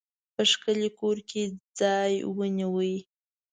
په ښکلي کور کې ځای ونیوی.